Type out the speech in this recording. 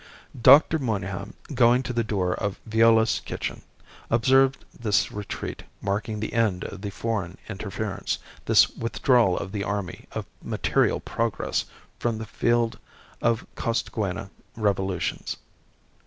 Doctor Monygham, going to the door of Viola's kitchen, observed this retreat marking the end of the foreign interference, this withdrawal of the army of material progress from the field of Costaguana revolutions.